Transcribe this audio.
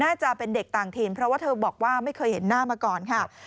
จะเป็นเด็กต่างถิ่นเพราะว่าเธอบอกว่าไม่เคยเห็นหน้ามาก่อนค่ะ